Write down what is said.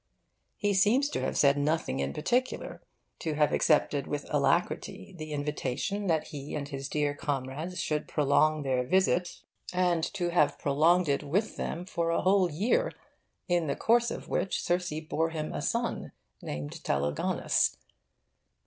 He seems to have said nothing in particular, to have accepted with alacrity the invitation that he and his dear comrades should prolong their visit, and to have prolonged it with them for a whole year, in the course of which Circe bore him a son, named Telegonus.